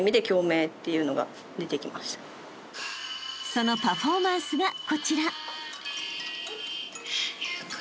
［そのパフォーマンスがこちら］